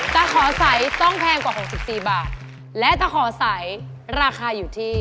ขอใสต้องแพงกว่า๖๔บาทและตะขอใสราคาอยู่ที่